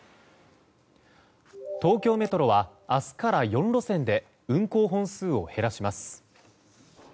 東京メトロは明日から４路線で運行本数を減らします。